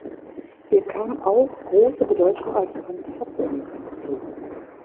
Ihr kam auch große Bedeutung als Konzertsängerin zu.